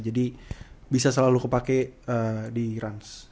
jadi bisa selalu kepake di ranz